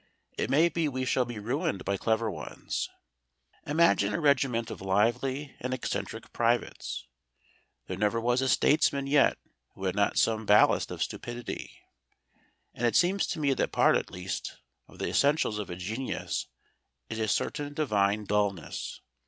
It may be we shall be ruined by clever ones. Imagine a regiment of lively and eccentric privates! There never was a statesman yet who had not some ballast of stupidity, and it seems to me that part at least of the essentials of a genius is a certain divine dulness.